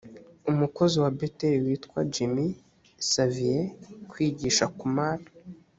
umukozi wa beteli witwa jimmy xavier kwigisha kumar